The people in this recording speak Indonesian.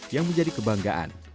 yang menjadi kebanggaan